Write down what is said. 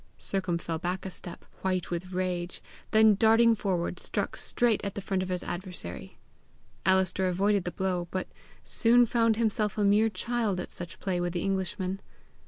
Sercomhe fell back a step, white with rage, then darting forward, struck straight at the front of his adversary. Alister avoided the blow, but soon found himself a mere child at such play with the Englishman.